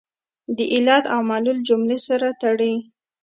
د علت او معلول جملې سره تړي.